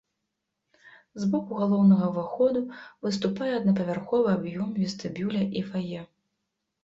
З боку галоўнага ўваходу выступае аднапавярховы аб'ём вестыбюля і фае.